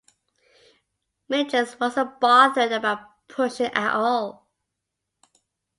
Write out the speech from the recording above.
Mick just wasn't bothered about pushing at all.